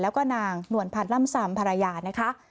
แล้วก็นางหนวนพันธรรมสามภรรยานะคะ